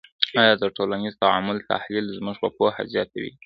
آیا د ټولنیز تعامل تحلیل زموږ پوهه زیاتوي؟